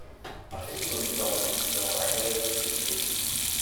A pessoa que toma a decisão ainda é você mesmo